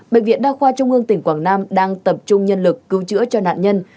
bệnh viện đa khoa trung ương tỉnh quảng nam đang tập trung nhân lực cứu chữa cho nạn nhân